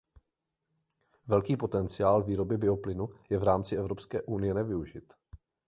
Velký potenciál výroby bioplynu je v rámci Evropské unie nevyužit.